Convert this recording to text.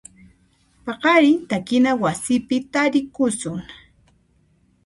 Paqarin takina wasipi tarikusun.